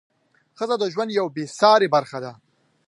ښځه د ژوند یوه بې سارې برخه ده.